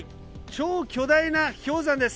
超巨大な氷山です。